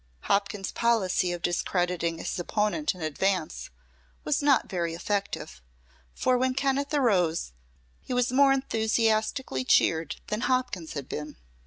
Hopkins's policy of discrediting his opponent in advance was not very effective, for when Kenneth arose he was more enthusiastically cheered than Hopkins had been.